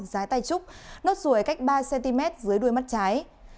giá tay trúc nốt ruồi cách ba cm dưới đuôi mắt trái